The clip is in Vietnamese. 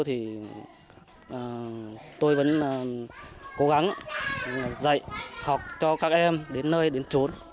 thì tôi vẫn cố gắng dạy học cho các em đến nơi đến trốn